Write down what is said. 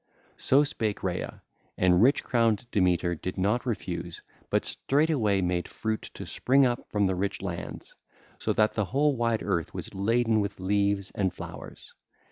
(ll. 470 482) So spake Rhea. And rich crowned Demeter did not refuse but straightway made fruit to spring up from the rich lands, so that the whole wide earth was laden with leaves and flowers.